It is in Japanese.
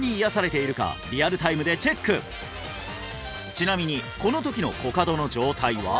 ちなみにこの時のコカドの状態は？